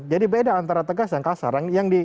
jadi beda antara tegas dan kasar